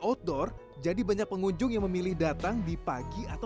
outdoor jadi banyak pengunjung yang memilih datang di pagi atau sore hari supaya nggak kepanasan